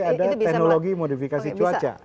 ada teknologi modifikasi cuaca